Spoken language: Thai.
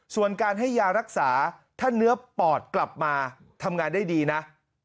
ส่วนการให้ยารักษาถ้าเนื้อปอดกลับมาทำงานได้ดีนะ